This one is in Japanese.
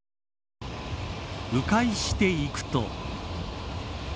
う回していくと。